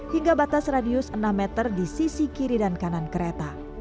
hingga batas radius enam meter di sisi kiri dan kanan kereta